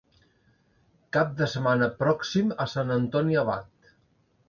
Cap de setmana pròxim a Sant Antoni Abat.